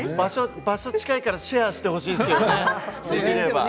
場所が近いからシェアしてほしいですよね。